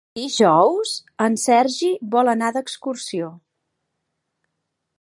Dijous en Sergi vol anar d'excursió.